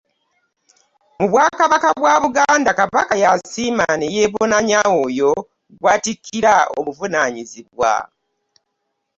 Mu Bwakabaka bwa Buganda Kabaka y'asiima ne yeebonanya oyo gw'atikkira obuvunaanyizibwa.